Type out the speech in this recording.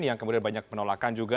yang kemudian banyak penolakan juga